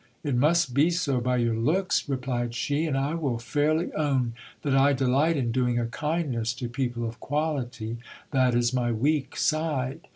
It must be so by your looks, replied she, and I will fairly own that I delight in doing a kindness to people of quality, that is my weak side.